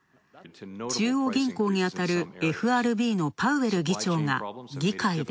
中央銀行にあたるＦＲＢのパウエル議長が議会で。